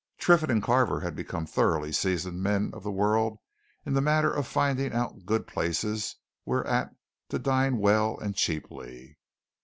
Triffitt and Carver had become thoroughly seasoned men of the world in the matter of finding out good places whereat to dine well and cheaply.